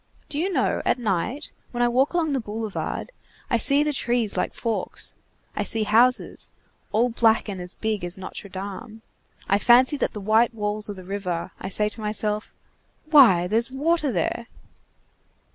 Do you know, at night, when I walk along the boulevard, I see the trees like forks, I see houses, all black and as big as Notre Dame, I fancy that the white walls are the river, I say to myself: 'Why, there's water there!